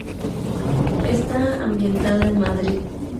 Está ambientada en Madrid.